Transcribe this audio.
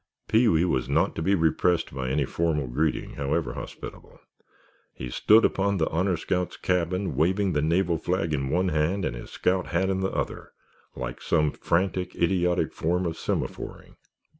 Pee wee was not to be repressed by any formal greeting, however hospitable. He stood upon the Honor Scout's cabin, waving the naval flag in one hand and his scout hat in the other, like some frantic, idiotic form of semaphoring.